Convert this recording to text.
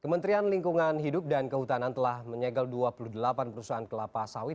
kementerian lingkungan hidup dan kehutanan telah menyegel dua puluh delapan perusahaan kelapa sawit